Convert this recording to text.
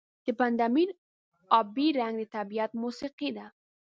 د بند امیر آبی رنګ د طبیعت موسيقي ده.